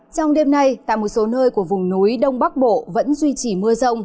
trong đêm nay tại một số nơi của vùng núi đông bắc bộ vẫn duy trì mưa rông